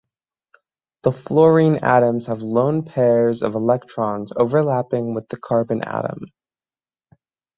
The fluorine atoms have lone pairs of electrons overlapping with the carbon atom.